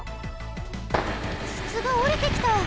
つつがおりてきた！